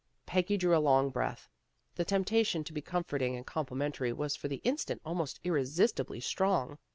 Peggy drew a long breath. The temptation to be comforting and complimentary was for the instant almost irresistibly strong.